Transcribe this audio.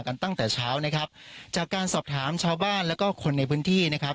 ตั้งแต่เช้านะครับจากการสอบถามชาวบ้านแล้วก็คนในพื้นที่นะครับ